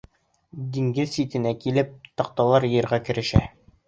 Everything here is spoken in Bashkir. Диңгеҙ ситенә килеп, таҡталар йыйырға керешә.